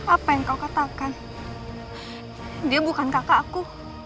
apa yang kau katakan dia bukan kakakku